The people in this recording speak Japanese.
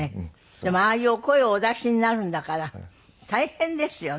でもああいう声をお出しになるんだから大変ですよね。